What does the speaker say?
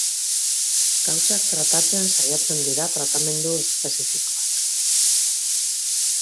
Kausak tratatzen saiatzen dira tratamendu espezifikoak.